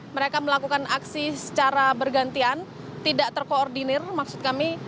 mereka melakukan aksi secara bergantian tidak terkoordinir maksud kami